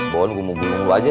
bawahin gue mumpuni lu aja